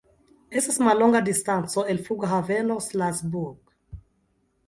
Estas mallonga distanco el Flughaveno Salzburg.